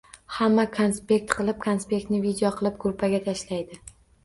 Hamma konspekt qilib, konspektini video qilib gruppaga tashlaydi